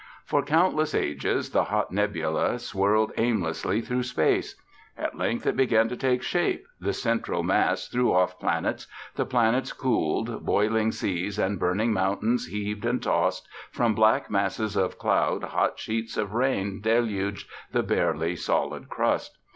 "For countless ages the hot nebula whirled aimlessly through space. At length it began to take shape, the central mass threw off planets, the planets cooled, boiling seas and burning mountains heaved and tossed, from black masses of cloud hot sheets of rain deluged the barely solid crust.